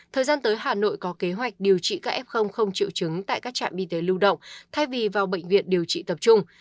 thời gian tới hà nội có kế hoạch điều trị các f không triệu chứng tại các trạm y tế lưu động thay vì vào bệnh viện điều trị tập trung